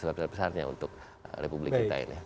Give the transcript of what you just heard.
sebesar besarnya untuk republik kita ini